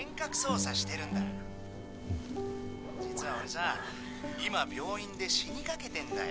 実は俺さ今病院で死にかけてんだよ。